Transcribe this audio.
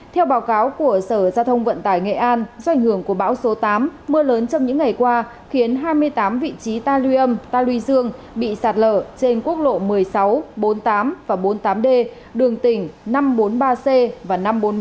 theo báo cáo của sở giao thông vận tải nghệ an do ảnh hưởng của bão số tám mưa lớn trong những ngày qua khiến hai mươi tám vị trí ta luy âm ta luy dương bị sạt lở trên quốc lộ một mươi sáu bốn mươi tám và bốn mươi tám d đường tỉnh năm trăm bốn mươi ba c và năm trăm bốn mươi một